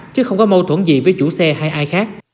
chứ không có mâu thuẫn gì với chủ xe hay ai khác